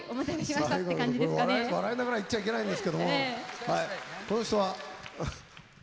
最後の笑いながら言っちゃいけないんですけどもこの人は牧師さんです。